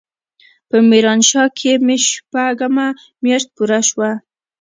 په ميرانشاه کښې مې شپږمه مياشت پوره سوه.